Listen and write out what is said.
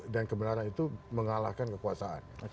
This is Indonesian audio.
dan kebenaran itu mengalahkan kekuasaan